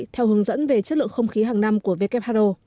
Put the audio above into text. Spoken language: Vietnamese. theo hướng dẫn về chất lượng không khí hàng năm của who